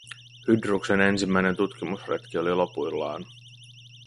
Hydruksen ensimmäinen tutkimusretki oli lopuillaan.